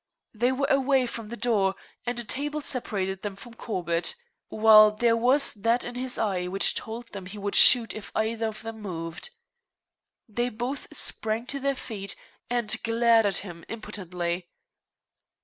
They were away from the door, and a table separated them from Corbett, while there was that in his eye which told them he would shoot if either of them moved. They both sprang to their feet, and glared at him impotently.